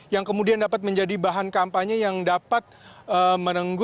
yang kemudian dapat menjadi bahan kampanye yang dapat menunggu